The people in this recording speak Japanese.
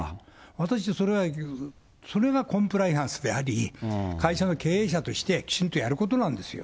私、それがコンプライアンスであり、会社の経営者としてきちんとやることなんですよ。